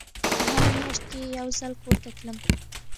په هره مياشت کښې به يو ځل کور ته تلم.